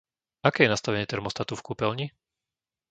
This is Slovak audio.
Aké je nastavenie termostatu v kúpeľni?